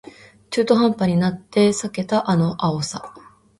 中途半端になって避けたあの青さ